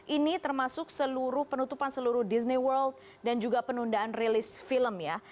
ini termasuk penutupan seluruh disney world dan juga penundaan rilis film ya